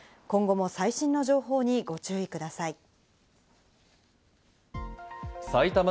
今後も最新の情報にご注意ください。